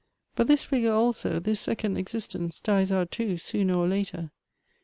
But this figure also, this second existence, dies out too, sooner or later.